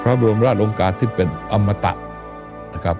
พระบรมราชองค์กาลที่เป็นอมตะ